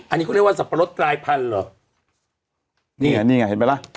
อันนี้เขาเรียกว่าสับปะรดกลายพันธุ์เหรอนี่ไงนี่ไงเห็นไหมล่ะ